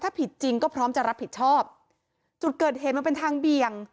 ถ้าผิดจริงก็พร้อมจะรับผิดชอบจุดเกิดเหตุมันเป็นทางเบี่ยง